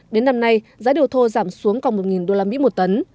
đến năm nay giá điều thô giảm xuống còn một usd một tấn